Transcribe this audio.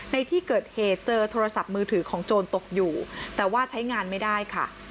ในที่เกิดเหตุเจอโทรศัพท์มือถือของโจรตกอยู่แต่ว่าใช้งานไม่ได้ค่ะ